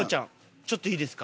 ちょっといいですか？